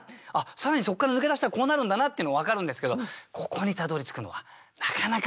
更にそっから抜け出したらこうなるんだなっての分かるんですけどここにたどりつくのはなかなか。